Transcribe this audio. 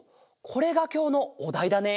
これがきょうのおだいだね？